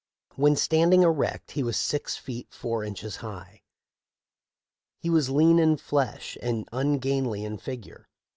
When standing erect he was six feet four inches high. He was lean in flesh and ungainly in figure.